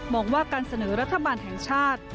บอกว่าการเสนอรัฐบาลแห่งชาติ